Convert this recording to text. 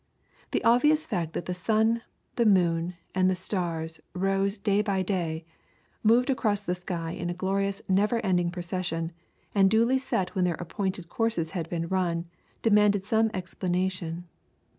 The obvious fact that the sun, the moon, and the stars rose day by day, moved across the sky in a glorious never ending procession, and duly set when their appointed courses had been run, demanded some explanation.